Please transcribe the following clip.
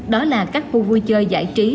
đó là các khu vui chơi giải trí